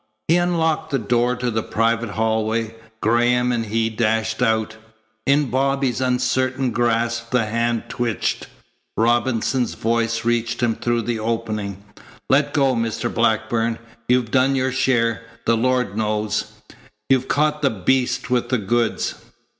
He unlocked the door to the private hallway. Graham and he dashed out. In Bobby's uncertain grasp the hand twitched. Robinson's voice reached him through the opening. "Let go, Mr. Blackburn. You've done your share, the Lord knows. You've caught the beast with the goods."